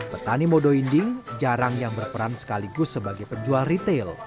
petani modo inding jarang yang berperan sekaligus sebagai penjual retail